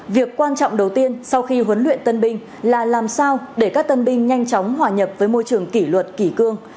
việc quan trọng đầu tiên sau khi huấn luyện tân binh là làm sao để các tân binh nhanh chóng hòa nhập với môi trường kỷ luật kỷ cương